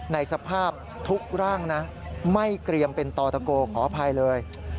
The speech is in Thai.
ในสภาพทุกร่างนะไม่เกรียมเป็นตอตะโกขออภัยเลย